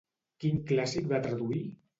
Quin clàssic va traduir?